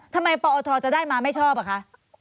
ทำไมปอทจะได้มาไม่ชอบอ่ะคะ